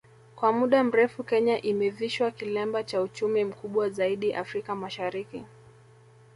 kwa muda mrefu Kenya imevishwa kilemba cha uchumi mkubwa zaidi Afrika Mashariki